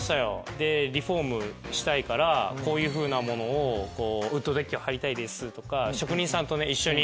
でリフォームしたいから「こういうふうなものをウッドデッキを張りたいです」とか。